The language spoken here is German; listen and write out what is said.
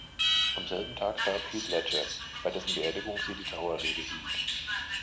Am selben Tag starb Heath Ledger, bei dessen Beerdigung sie die Trauerrede hielt.